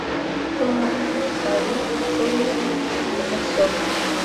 Tom ari kuri mudasobwa